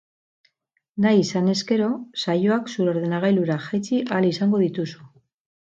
Nahi izan ezkero, saioak zure ordenagailura jaitsi ahal izango dituzu.